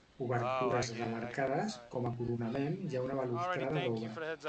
Obertures remarcades, com a coronament hi ha una balustrada d'obra.